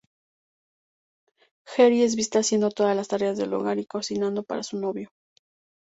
Geri es vista haciendo todas las tareas del hogar y cocinando para su 'novio'.